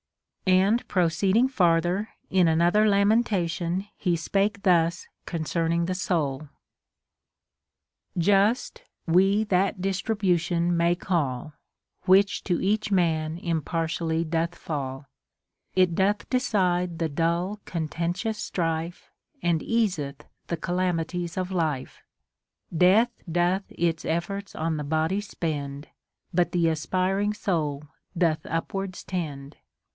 And proceeding farther, in another lamentation he spake thus concerning the soul :— Just we that distribution may call, Which to each man impartially doth fall. It doth decide the dull contentious strife, And easeth the calamities of life. Death doth its eflbrts on the body spend ; But the aspiring soul dotli .up wards tend.